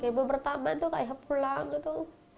kemo pertama itu kayak pulang gitu